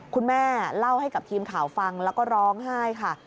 คุณแม่เล่าให้กับทีมข่าวฟังแล้วก็ร้องไห้ค่ะ